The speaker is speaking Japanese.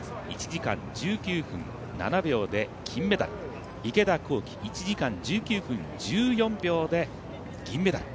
１時間１９分７秒で金メダル池田向希１時間１９分１４秒で銀メダル。